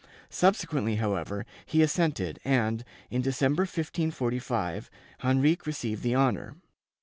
Subsequently, however, he assented and, in December, 1545, Henrique received the honor.